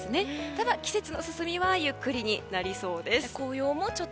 ただ、季節の進みはゆっくりになりそうです。